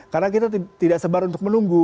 karena kita tidak sebar untuk menunggu